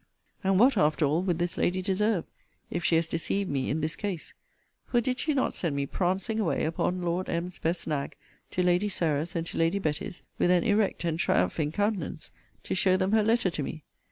And what, after all, would this lady deserve, if she has deceived me in this case? For did she not set me prancing away, upon Lord M.'s best nag, to Lady Sarah's, and to Lady Betty's, with an erect and triumphing countenance, to show them her letter to me?